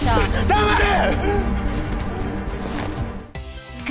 黙れ！